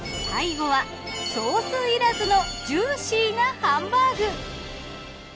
最後はソースいらずのジューシーなハンバーグ。